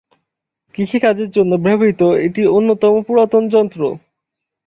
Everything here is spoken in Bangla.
কৃষি কাজের জন্য ব্যবহৃত এটি অন্যতম পুরাতন যন্ত্র।